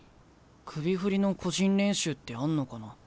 首振りの個人練習ってあんのかな？